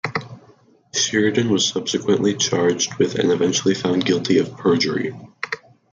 Sheridan was subsequently charged with and eventually found guilty of perjury.